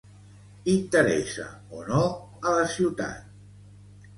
Interessa o no a la ciutat